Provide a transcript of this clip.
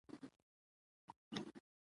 افغانستان د تودوخه له مخې پېژندل کېږي.